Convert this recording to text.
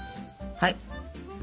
はい。